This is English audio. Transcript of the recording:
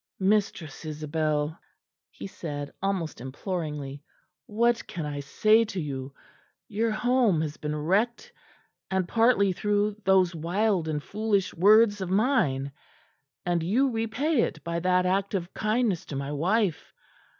"Mistress Isabel," he said almost imploringly, "what can I say to you? Your home has been wrecked; and partly through those wild and foolish words of mine; and you repay it by that act of kindness to my wife!